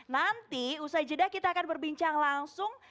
nanti usai jeda kita akan berbincang langsung